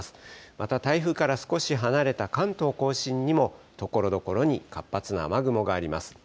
また台風から少し離れた関東甲信にも、ところどころに活発な雨雲があります。